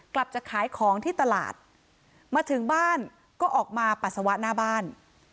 กลับจะขายของที่ตลาดมาถึงบ้านก็ออกมาปัสสาวะหน้าบ้าน